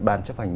ban chấp hành